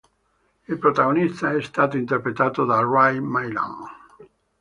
Il protagonista è stato interpretato da Ray Milland.